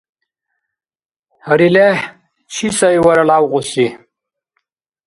Гьари лехӀ! Чи сай вара лявкьуси?